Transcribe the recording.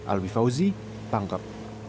alwi fauzi pangkep